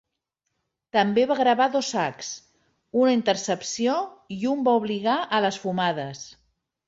També va gravar dos sacs, una intercepció i un va obligar a les fumades.